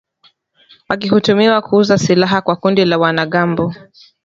wakituhumiwa kuuza silaha kwa kundi la wanamgambo